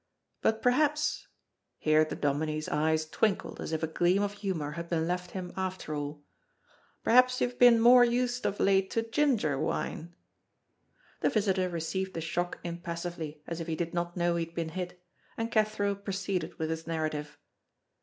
But perhaps " here the dominie's eyes twinkled as if a gleam of humor had been left him after all "perhaps you have been more used of late to ginger wine?" The visitor received the shock impassively as if he did not know he had been hit, and Cathro proceeded with his narrative.